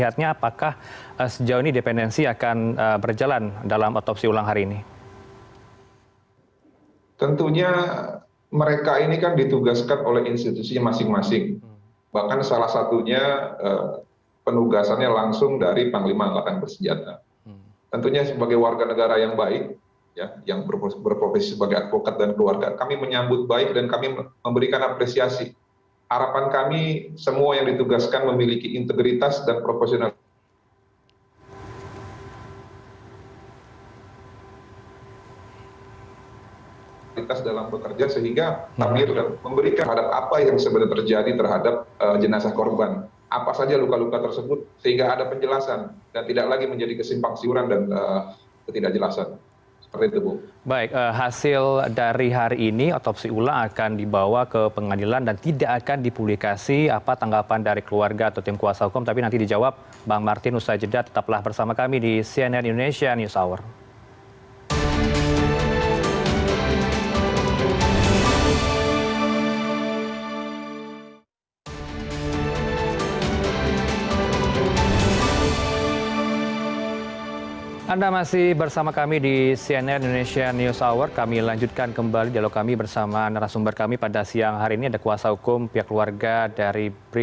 tapi nanti dijawab bang martin nusajeda tetaplah bersama kami di cnn indonesia news hour